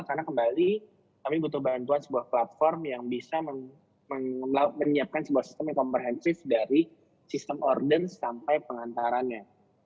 karena kembali kami butuh bantuan sebuah platform yang bisa menyiapkan sebuah sistem yang komprehensif dari sistem order sampai pengantarannya